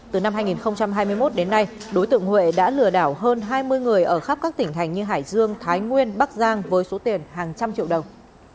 từ năm hai nghìn hai mươi một đến nay đối tượng huệ đã lừa đảo hơn hai mươi người ở khắp các tỉnh thành như hải dương thái nguyên bắc giang với số tiền hàng trăm triệu đồng